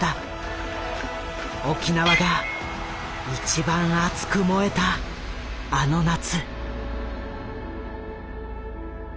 沖縄が一番熱く燃えたあの夏。